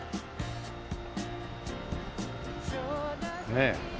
ねえ。